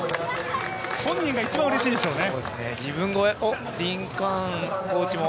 本人が一番うれしいでしょうね。